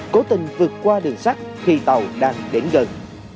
cố tình vượt qua đường sắt khi tàu đang đến gần